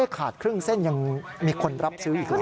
ขาดครึ่งเส้นยังมีคนรับซื้ออีกเหรอ